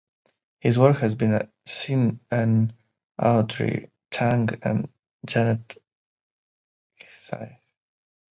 His work has been seen on Audrey Tang and Janet Hsieh.